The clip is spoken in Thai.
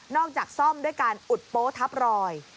อกจากซ่อมด้วยการอุดโป๊ทับรอย